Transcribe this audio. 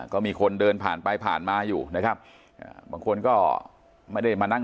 ก็มีคนเดินผ่านไปผ่านมาอยู่นะครับบางคนก็ไม่ได้มานั่ง